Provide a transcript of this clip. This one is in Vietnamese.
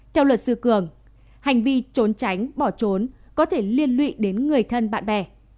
theo luật sư cường hành vi trốn tránh bỏ trốn có thể liên lụy đến người thân bạn bè